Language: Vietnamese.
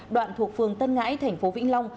đoạn thuộc phường tân ngãi thành phố vĩnh long